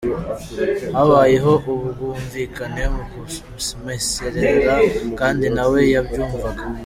Habayeho ubwumvikane mu kumusezerera kandi na we yabyumvaga.